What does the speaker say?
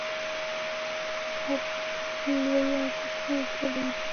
ګنجګل لوی او کوچني کلي لري